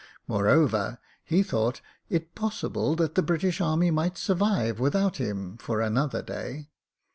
Moreover, he thought it possible that the British Army might survive without him for an other day.